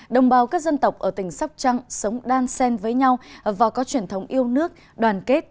đồng bào các dân tộc ở tỉnh sóc trăng sống đan sen với nhau và có truyền thống yêu nước đoàn kết